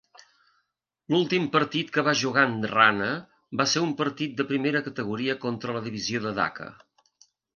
L"últim partit que va jugar en Rana va ser un partit de primera categoria contra la divisió de Dhaka.